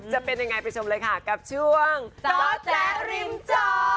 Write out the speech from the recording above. จะเป็นยังไงไปชมเลยค่ะกับช่วงจ้อแจ๊ริมจอ